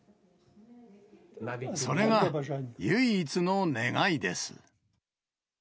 それが唯一の願いです。